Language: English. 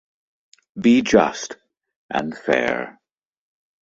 Be just and fair.